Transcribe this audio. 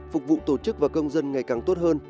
phục vụ tổ chức và công dân ngày càng tốt hơn